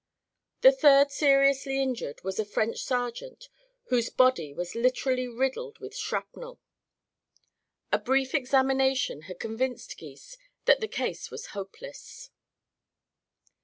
The third seriously injured was a French sergeant whose body was literally riddled with shrapnel. A brief examination had convinced Gys that the case was hopeless.